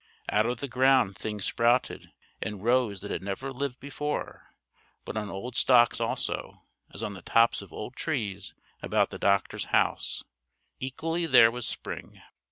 Out of the ground things sprouted and rose that had never lived before; but on old stocks also, as on the tops of old trees about the doctor's house, equally there was spring.